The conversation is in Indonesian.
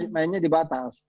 mainnya di batas